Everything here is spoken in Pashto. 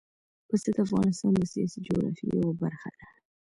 پسه د افغانستان د سیاسي جغرافیه یوه برخه ده.